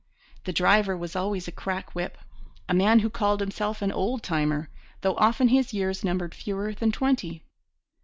The driver was always a crack whip, a man who called himself an 'old timer,' though often his years numbered fewer than twenty.